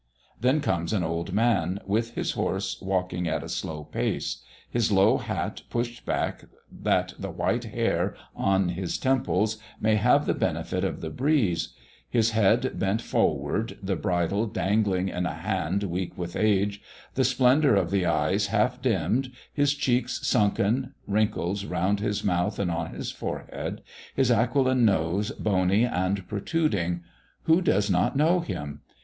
Then comes an old man, with his horse walking at a slow pace, his low hat pushed back that the white hair on his temples may have the benefit of the breeze. His head bent forward, the bridle dangling in a hand weak with age, the splendour of the eyes half dimmed, his cheeks sunken, wrinkles round his mouth and on his forehead, his aquiline nose bony and protruding; who does not know him?